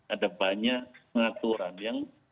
ada banyak pengaturan yang bisa diatur